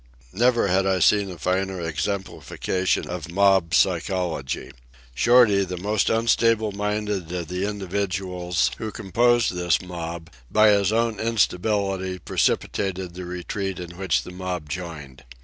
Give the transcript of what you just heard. Never had I seen a finer exemplification of mob psychology. Shorty, the most unstable minded of the individuals who composed this mob, by his own instability precipitated the retreat in which the mob joined.